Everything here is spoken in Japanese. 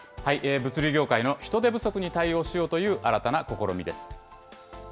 物流業界の人手不足に対応しようという新たな試みです。